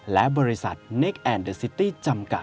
และบริษัทเนคแอนเดอร์ซิตี้จำกัด